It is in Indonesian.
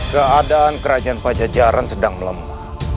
keadaan kerajaan pajajaran sedang melemah